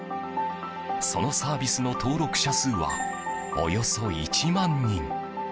そのサービスの登録者数はおよそ１万人。